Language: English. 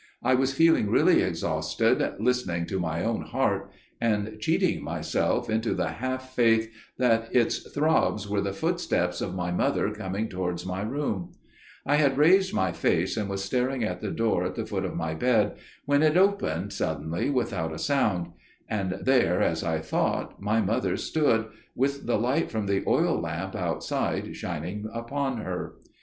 I was feeling really exhausted, listening to my own heart, and cheating myself into the half faith that its throbs were the footsteps of my mother coming towards my room; I had raised my face and was staring at the door at the foot of my bed, when it opened suddenly without a sound; and there, as I thought, my mother stood, with the light from the oil lamp outside shining upon her.